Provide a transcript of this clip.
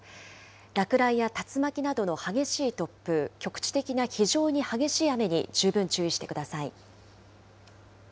落雷や竜巻などの激しい突風、局地的な非常に激しい雨に十分注意してください。